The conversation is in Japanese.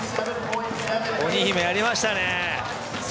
鬼姫、やりましたね。